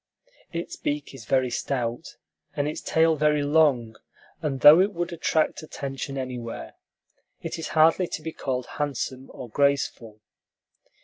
Its beak is very stout, and its tail very long; and though it would attract attention anywhere, it is hardly to be called handsome or graceful.